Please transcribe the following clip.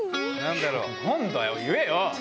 何だよ言えよ！